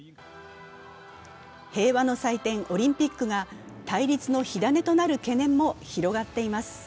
平和の祭典オリンピックが対立の火種となる懸念も広がっています。